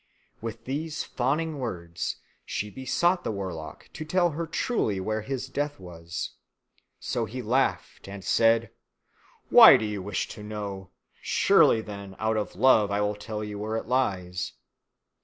With these fawning words she besought the warlock to tell her truly where his death was. So he laughed and said, "Why do you wish to know? Well then, out of love I will tell you where it lies.